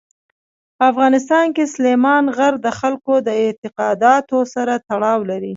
په افغانستان کې سلیمان غر د خلکو د اعتقاداتو سره تړاو لري.